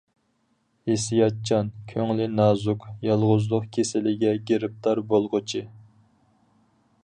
ھېسسىياتچان، كۆڭلى نازۇك، يالغۇزلۇق كېسىلىگە گىرىپتار بولغۇچى.